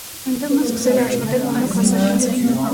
Այնտեղ նա սկսել է աշխատել մանուկ հասակից։